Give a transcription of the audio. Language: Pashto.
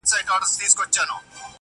لا رواني دي جوپې د شهيدانو!